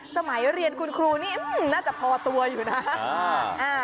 สมัยเรียนคุณครูนี่น่าจะพอตัวอยู่นะ